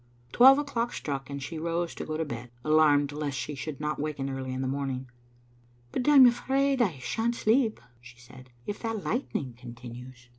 Twelve o'clock struck, and she rose to go to bed, alarmed lest she should not waken early in the morn ing. "But I am afraid I shan't sleep," she said, "if that lightning continues." '■"• Digitized by VjOOQIC ibargarct.